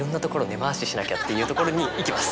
しなきゃっていうところにいきます